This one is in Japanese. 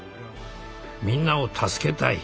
みんなを助けたい。